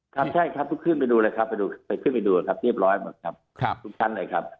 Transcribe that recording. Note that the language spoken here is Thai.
ครับใช่ครับทุกขึ้นไปดูเลยครับไปดูไปขึ้นไปดูครับเรียบร้อยหมดครับทุกชั้นเลยครับ